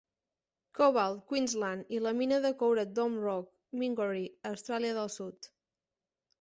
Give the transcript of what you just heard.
Cobalt, Queensland i la mina de coure Dome Rock, Mingary, Austràlia del Sud.